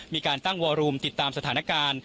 มีการตั้งวอรูมติดตามสถานการณ์